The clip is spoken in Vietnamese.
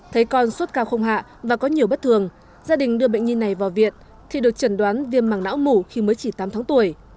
thấy con suốt cao không hạ và có nhiều bất thường gia đình đưa bệnh nhi này vào viện thì được chẩn đoán viêm mạng não mủ khi mới chỉ tám tháng tuổi